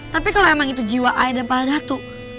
tapi kalau emang itu jiwa ayah dan para datuk